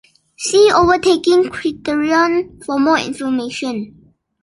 See overtaking criterion for more information.